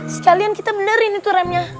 sekalian kita benerin itu remnya